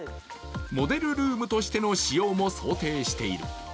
モデルルームとしての使用も想定している。